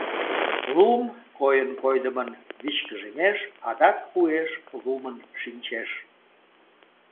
Лум койын-койдымын вичкыжемеш, адак уэш лумын шинчеш.